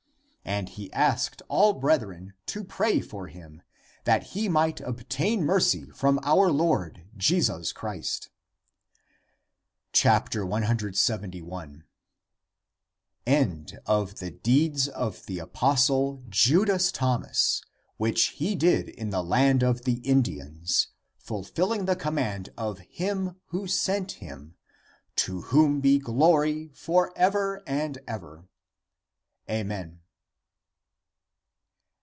And he asked all brethren to pray for him that he might obtain mercy from our Lord Jesus Christ. 171. [End of the deeds of the apostle Judas Thomas, which he did in the land of the Indians, fulfilling the command of Him who sent him, to whom be glory for ever and ever! Amen.